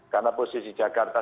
karena posisi jakarta